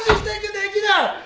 できない。